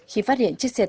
khi phát hiện chiếc xe tải